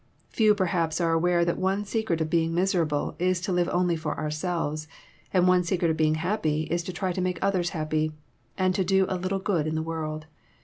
Few^rhaps are aware that one secret of being miserable is to live only for ourselves, and one secret of being happy is to try to make others happy, and to do a little good in the w;orld.